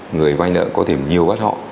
người vay nợ có thể nhiều bắt họ